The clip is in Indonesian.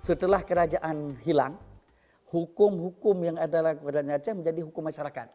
setelah kerajaan hilang hukum hukum yang ada kepadanya aceh menjadi hukum masyarakat